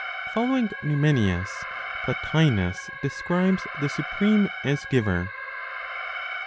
FOLLOWING NUMENIUS, PLOTINOS DESCRIBES THE SUPREME AS GIVER.